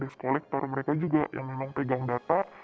deskollector mereka juga yang memang pegang data